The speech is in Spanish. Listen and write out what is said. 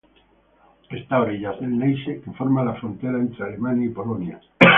Esta a orillas del Neisse que forma la frontera entre Alemania y Polonia.